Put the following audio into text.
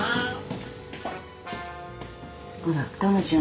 ほらタマちゃん